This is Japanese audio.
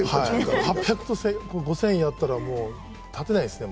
８００と５０００やったら立てないですよ